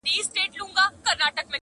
دې دوستی ته خو هیڅ لاره نه جوړیږي٫